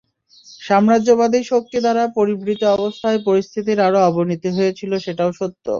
সাম্রাজ্যবাদী শক্তি দ্বারা পরিবৃত অবস্থায় পরিস্থিতির আরও অবনতি হয়েছিল সেটাও সত্য।